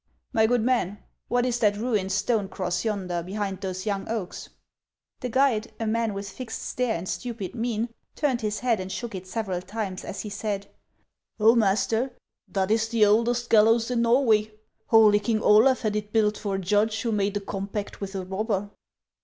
" My good man, what is that ruined stone cross yonder, behind those vounsj oaks ?" HANS OF ICELAND. 227 The guide, a man with fixed stare and stupid mien, turned his head and shook it several times, as he said :" Oh, master, that is the oldest gallows in Norway ; holy king Olaf had it built for a judge who made a com pact with a robber."